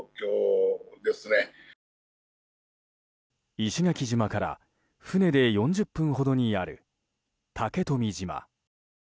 石垣島から船で４０分ほどにある竹富島。